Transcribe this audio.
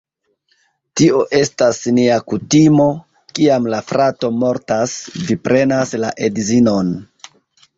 Tio estas nia kutimo, kiam la frato mortas, vi prenas la edzinon